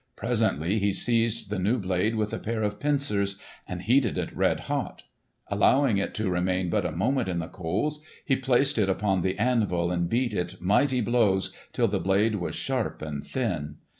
Presently he seized the new blade with a pair of pincers and heated it red hot. Allowing it to remain but a moment in the coals, he placed it upon the anvil and beat it mighty blows till the blade was sharp and thin.